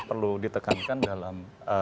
perlu ditekankan dalam